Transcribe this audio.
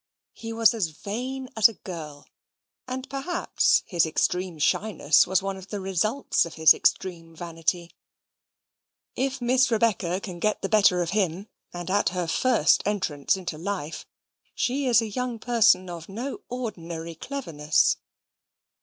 He was as vain as a girl; and perhaps his extreme shyness was one of the results of his extreme vanity. If Miss Rebecca can get the better of him, and at her first entrance into life, she is a young person of no ordinary cleverness.